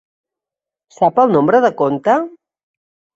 Sap el nombre de compte?